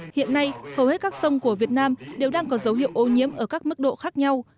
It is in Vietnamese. hiện nay hầu hết các sông của việt nam đều đang có dấu hiệu ô nhiễm ở các mức độ khác nhau